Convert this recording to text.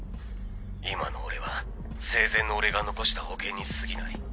今の俺は生前の俺が残した保険にすぎない。